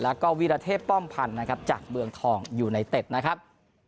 แล้วก็วิรเทพป้อมพันธ์นะครับจากเมืองทองยูไนเต็ดนะครับ